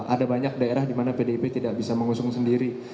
ada banyak daerah dimana dpp tidak bisa mengusung sendiri